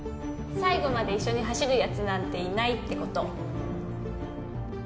最後まで一緒に走る奴なんていないって事。